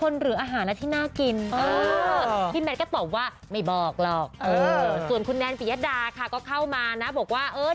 น่ากินจัง